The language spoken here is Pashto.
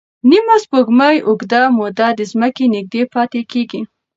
نیمه سپوږمۍ اوږده موده د ځمکې نږدې پاتې کېږي.